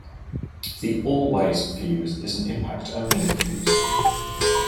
The "Allways" fuze is an impact-only fuze.